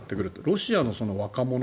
ロシアの若者